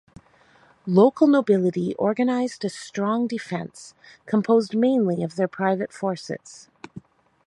Local nobility organised a strong defence composed mainly of their private forces.